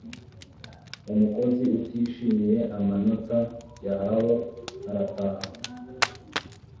umukozi utishimiye amanota yahawe arataha